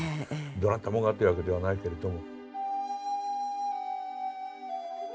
どなたもがってわけではないけれども。